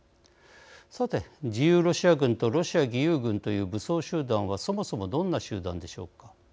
さて自由ロシア軍とロシア義勇軍という武装集団はそもそもどんな集団でしょうか。